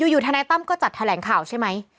อยู่ทนายตั้มก็จัดแถลงข่าวใช่ไหม